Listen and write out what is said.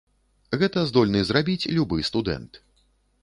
Гэта здольны зрабіць любы студэнт.